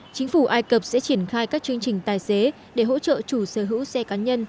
chính phủ ai cập sẽ triển khai các chương trình tài xế để hỗ trợ chủ sở hữu xe cá nhân